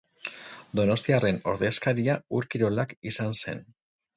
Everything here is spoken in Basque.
Donostiarren ordezkaria Ur-Kirolak izan zen.